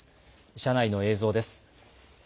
車内の映像です。